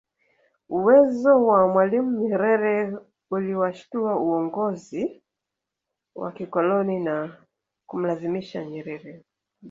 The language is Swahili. Uwezo wa mwalimu Nyerere uliwashitua uongozi wa kikoloni na kumlazimisha Nyerere